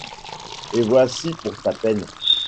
Et voici pour ta peine.